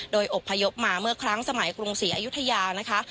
โดยอบพยพมาเมื่อครั้งสมัยกรุงศรีอยุธยานะคะ